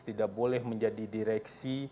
tidak boleh menjadi direksi